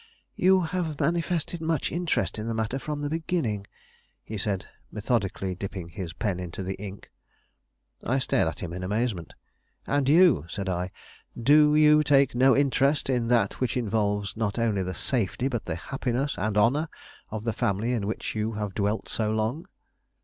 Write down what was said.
"You have manifested much interest in the matter from the beginning," he said, methodically dipping his pen into the ink. I stared at him in amazement. "And you," said I; "do you take no interest in that which involves not only the safety, but the happiness and honor, of the family in which you have dwelt so long?"